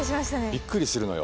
びっくりするのよ。